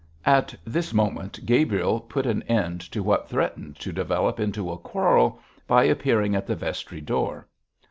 At this moment Gabriel put an end to what threatened to develop into a quarrel by appearing at the vestry door.